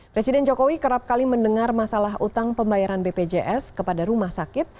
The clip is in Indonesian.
presiden jokowi kerap kali mendengar masalah utang pembayaran bpjs kepada rumah sakit